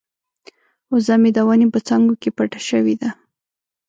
وزه مې د ونې په څانګو کې پټه شوې ده.